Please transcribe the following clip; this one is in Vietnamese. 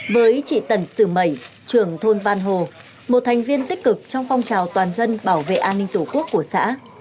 với chị tần sử mẩy trưởng thôn văn hồ một thành viên tích cực trong phong trào toàn dân bảo vệ an ninh tổ quốc của xã